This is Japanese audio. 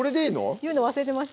言うの忘れてました